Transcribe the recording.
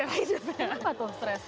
kenapa tuh stress